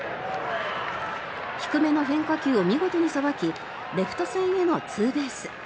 低めの変化球を見事にさばきレフト線へのツーベース。